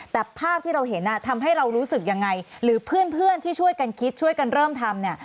แต่ภาพที่เราเห็นทำให้เรารู้สึกยังไงหรือเพื่อนที่ช่วยกันคิดช่วยกันเริ่มทำเนี่ย